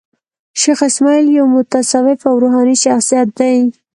شېخ اسماعیل یو متصوف او روحاني شخصیت دﺉ.